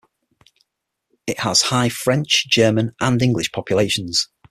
It has high French, German and English populations.